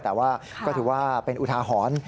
แต่ว่าคือว่าเป็นอุทาหอน